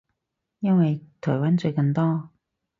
因為台灣最近多